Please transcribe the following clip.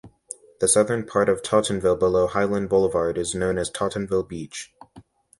The southern part of Tottenville below Hylan Boulevard is also known as Tottenville Beach.